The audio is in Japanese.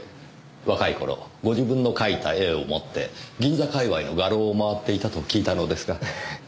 若い頃ご自分の描いた絵を持って銀座界隈の画廊を回っていたと聞いたのですが。